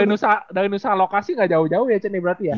kalo dari nusa lokasi gak jauh jauh ya ceni berarti ya